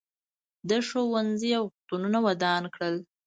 ده ښوونځي او روغتونونه ودان کړل.